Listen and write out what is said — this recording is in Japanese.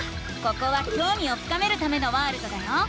ここはきょうみを深めるためのワールドだよ。